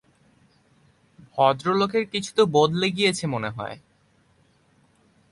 ভদ্রলোকের কিছু তো বদলে গিয়েছে মনে হয়।